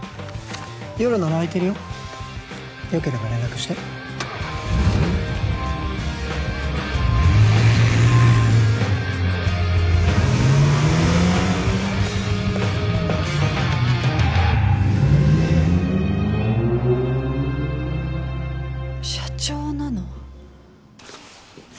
夜なら空いてるよよければ連絡して社長なの？